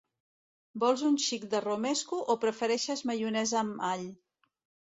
Vols un xic de romesco o prefereixes maionesa amb all?